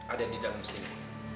ada di dalam sini